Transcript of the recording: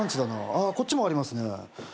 あっこっちもありますね。